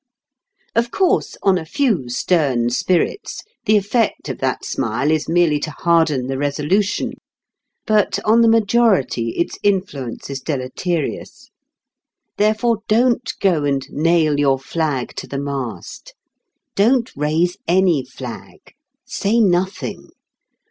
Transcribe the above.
Of course, on a few stern spirits the effect of that smile is merely to harden the resolution. But on the majority its influence is deleterious. Therefore don't go and nail your flag to the mast. Don't raise any flag. Say nothing.